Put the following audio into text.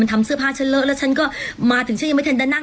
ทำเสื้อผ้าฉันเลอะแล้วฉันก็มาถึงฉันยังไม่ทันได้นั่ง